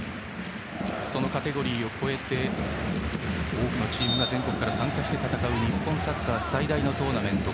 そのカテゴリーを越えて多くのチームが全国から参加して戦う日本サッカー最大のトーナメント